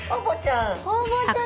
ホウボウちゃん。